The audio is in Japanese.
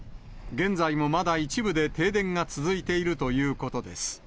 現在もまだ一部で停電が続いているということです。